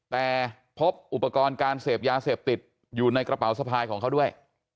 แต่พบอุปกรณ์การเสพยาเสพติดอยู่ในกระเป๋าสะพายของเขาด้วย